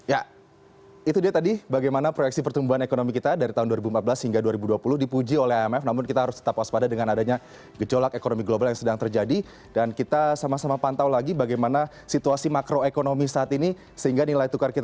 ya itu dia tadi bagaimana proyeksi pertumbuhan ekonomi kita dari tahun dua ribu empat belas hingga dua ribu dua puluh dipuji oleh imf namun kita harus tetap waspada dengan adanya gejolak ekonomi global yang sedang terjadi dan kita sama sama pantau lagi bagaimana situasi makroekonomi saat ini sehingga nilai tukar kita